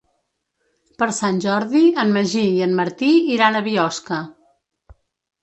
Per Sant Jordi en Magí i en Martí iran a Biosca.